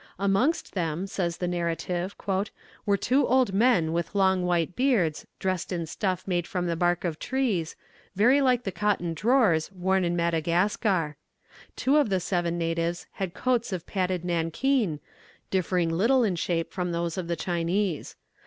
"Amongst them," says the narrative, "were two old men with long white beards, dressed in stuff made from the bark of trees, very like the cotton drawers worn in Madagascar. Two of the seven natives had coats of padded nankeen, differing little in shape from those of the Chinese.